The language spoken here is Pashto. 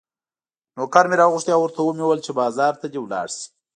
نوکر مې راوغوښت او ورته مې وویل چې بازار ته دې ولاړ شي.